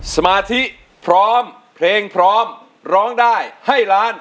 สมาธิพร้อมเพลงพร้อมร้องได้ให้ล้าน